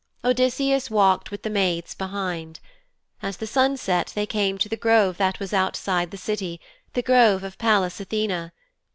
Odysseus walked with the maids behind. As the sun set they came to the grove that was outside the City the grove of Pallas Athene.